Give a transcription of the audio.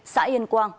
xã yên quang